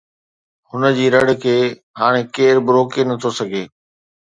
هن جي رڙ کي هاڻي ڪير به روڪي نٿو سگهي